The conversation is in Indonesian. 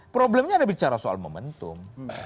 problemnya ada bicara soal momentum